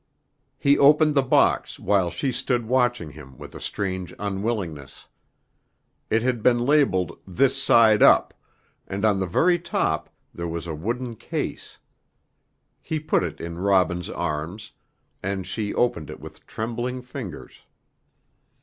He opened the box while she stood watching him with a strange unwillingness. It had been labeled, "This Side Up," and on the very top there was a wooden case. He put it in Robin's arms, and she opened it with trembling fingers.